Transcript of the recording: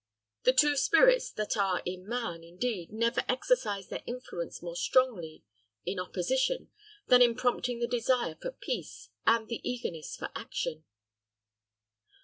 The two spirits that are in man, indeed, never exercise their influence more strongly in opposition than in prompting the desire for peace, and the eagerness for action.